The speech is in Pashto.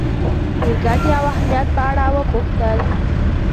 د ګټې او اهمیت په اړه وپوښتل.